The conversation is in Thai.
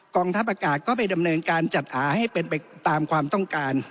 งทัพอากาศก็ไปดำเนินการจัดหาให้เป็นไปตามความต้องการ